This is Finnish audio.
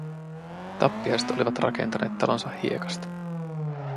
Tappiaiset olivat rakentaneet talonsa hiekasta.